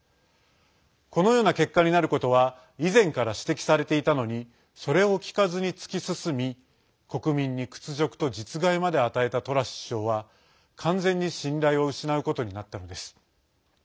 このような結果になることは以前から指摘されていたのにそれを聞かずに突き進み国民に屈辱と実害まで与えたトラス首相は完全に信頼を失うことになったのです。